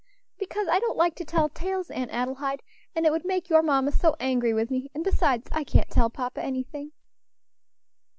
"Because I don't like to tell tales, Aunt Adelaide, and it would make your mamma so angry with me; and besides, I can't tell papa anything."